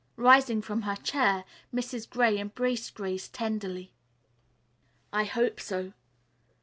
Rising from her chair, Mrs. Gray embraced Grace tenderly. "I hope so."